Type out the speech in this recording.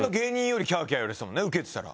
ウケてたら。